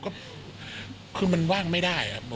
คือมันว่างไม่ได้อะ